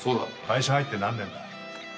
会社入って何年だ？